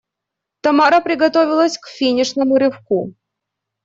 Тамара приготовилась к финишному рывку.